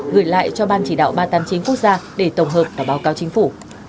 gửi lại cho ban chỉ đạo ba trăm tám mươi chín quốc gia để tổng hợp và báo cáo chính phủ